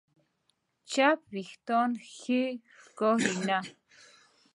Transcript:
چپ وېښتيان ښې ښکاري نه.